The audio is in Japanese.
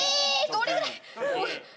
どれぐらい。